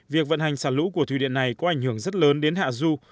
việc vận hành xả lũ của thủy điện này có ảnh hưởng rất lớn đến hạ du